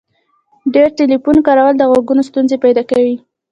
ډیر ټلیفون کارول د غوږو ستونزي پیدا کوي.